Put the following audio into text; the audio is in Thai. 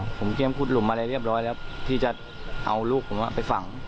ผมเตรียมขุดหลุมอะไรเรียบร้อยแล้วที่จะเอาลูกผมไปฝัง